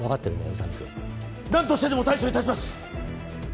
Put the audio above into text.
宇佐美くん何としてでも対処いたします！